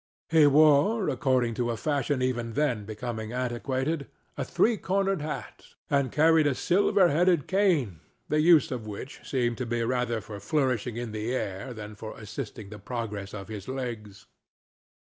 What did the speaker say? He wore, according to a fashion even then becoming antiquated, a three cornered hat, and carried a silver headed cane the use of which seemed to be rather for flourishing in the air than for assisting the progress of his legs.